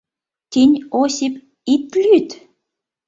— Тинь, Осип, ит люд.